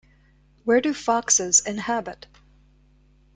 Where do foxes inhabit?